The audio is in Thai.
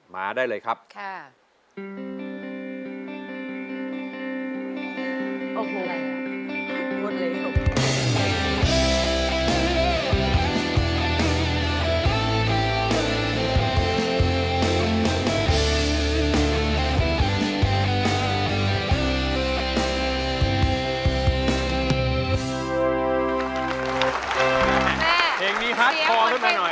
แม่เสียงเหมือนเพลงสตริงเลยอ่ะ